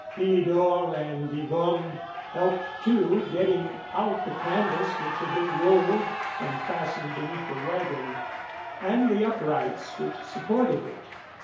Philidor and Yvonne helped, too, getting out the canvas which had been rolled and fastened be neath the wagon, and the uprights which supported it.